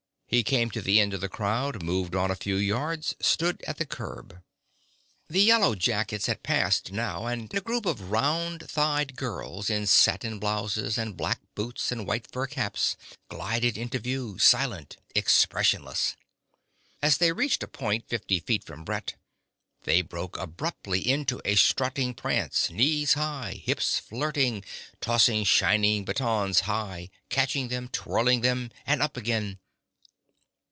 He came to the end of the crowd, moved on a few yards, stood at the curb. The yellow jackets had passed now, and a group of round thighed girls in satin blouses and black boots and white fur caps glided into view, silent, expressionless. As they reached a point fifty feet from Brett, they broke abruptly into a strutting prance, knees high, hips flirting, tossing shining batons high, catching them, twirling them, and up again